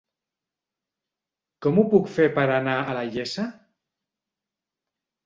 Com ho puc fer per anar a la Iessa?